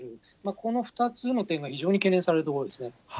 この２つの点が非常に懸念されるところですね。